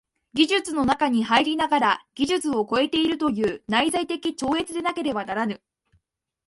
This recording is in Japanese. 技術の中に入りながら技術を超えているという内在的超越でなければならぬ。